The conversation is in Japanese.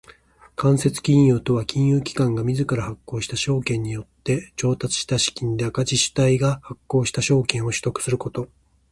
間接金融とは金融機関が自ら発行した証券によって調達した資金で赤字主体が発行した証券を取得すること。